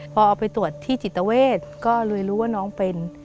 พอเอาไปตรวจที่จิตเวทก็เลยรู้ว่าน้องเป็น